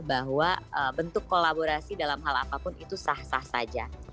bahwa bentuk kolaborasi dalam hal apapun itu sah sah saja